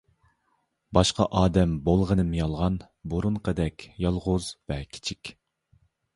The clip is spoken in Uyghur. باشقا ئادەم بولغىنىم يالغان، بۇرۇنقىدەك يالغۇز ۋە كىچىك.